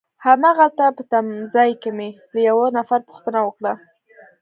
هماغلته په تمځای کي مې له یوه نفر پوښتنه وکړه.